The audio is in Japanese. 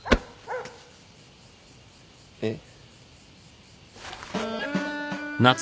えっ。